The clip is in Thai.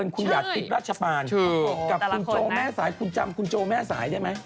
คุณโจแม่สายคุณจำคุณโจแม่สายได้ไหม